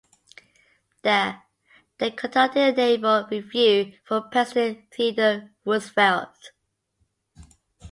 There, they conducted a naval review for President Theodore Roosevelt.